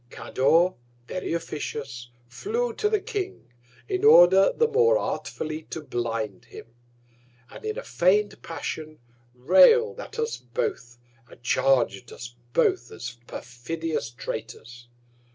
Cador, very officious, flew to the King, in order the more artfully to blind him; and in a feign'd Passion, rail'd at us both, and charg'd us both as perfidious Traitors.